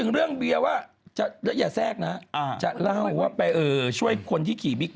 เราเค้าก็หันไปเห็นก็ดี